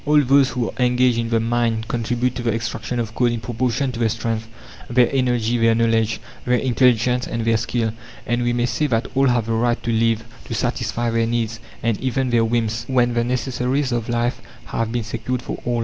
All those who are engaged in the mine contribute to the extraction of coal in proportion to their strength, their energy, their knowledge, their intelligence, and their skill. And we may say that all have the right to live, to satisfy their needs, and even their whims, when the necessaries of life have been secured for all.